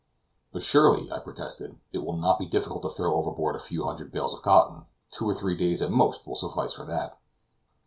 "But surely," I protested, "it will not be difficult to throw overboard a few hundred bales of cotton; two or three days at most will suffice for that."